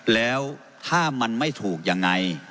แล้วถ้ามันไม่ถูกยังไง